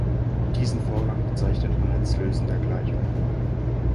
Diesen Vorgang bezeichnet man als Lösen der Gleichung.